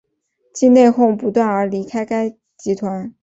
因内哄不断而离开该集团。